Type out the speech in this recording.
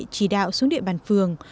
chỉ đạo xuống địa bàn phường